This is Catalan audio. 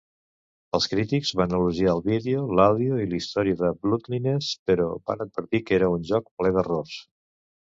Els crítics van elogiar el vídeo, l'àudio i la història de "Bloodliness" però van advertir que era un joc ple d'errors.